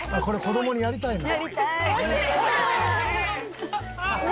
「これ子供にやりたいな」